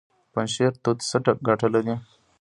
د پنجشیر توت څه ګټه لري؟